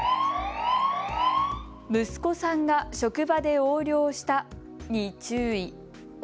息子さんが職場で横領したに注意。